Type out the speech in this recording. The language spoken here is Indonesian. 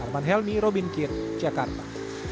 armand helmy robin kirt jakarta